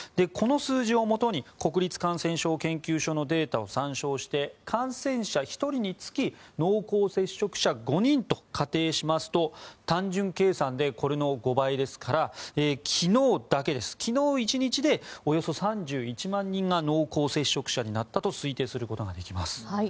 この数字をもとに国立感染症研究所のデータを参照して感染者１人につき濃厚接触者５人と仮定しますと単純計算でこれの５倍ですから昨日だけです、昨日１日でおよそ３１万人が濃厚接触者になったと推定することができます。